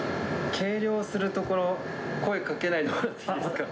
計量するところ、声かけないでもらっていいですか。